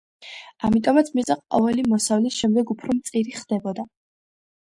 ამიტომაც მიწა ყოველი მოსავლის შემდეგ უფრო მწირი ხდებოდა.